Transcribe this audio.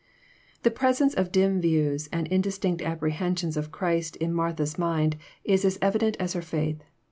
The presence of dim views and indistinct apprehensions of Christ in Martha's mind is as evident as her faith.